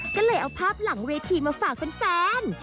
ก็เลยเอาภาพหลังเวทีมาฝากแฟน